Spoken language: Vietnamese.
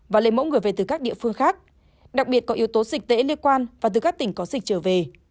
và lấy mẫu người về từ các địa phương khác đặc biệt có yếu tố dịch tễ liên quan và từ các tỉnh có dịch trở về